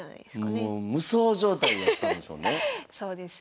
無双状態になったんでしょうね。